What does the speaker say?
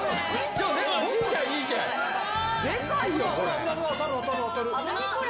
でかいよ、これ。